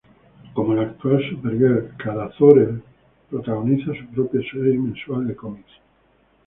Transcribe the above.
Como la actual Supergirl, Kara Zor-El protagoniza su propia serie mensual de cómics.